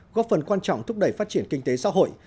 góp phần quan trọng thúc đẩy phát triển kinh tế xã hội